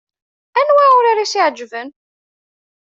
Anwa urar i s-iɛeǧben?